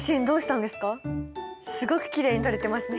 すごくきれいに撮れてますね。